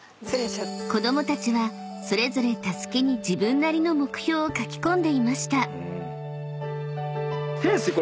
［子供たちはそれぞれたすきに自分なりの目標を書き込んでいました］